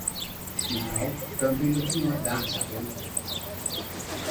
Now, don’t be looking like that, Adam.